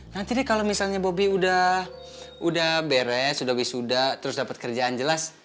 nanti deh kalo misalnya bobi udah beres udah wisuda terus dapet kerjaan jelas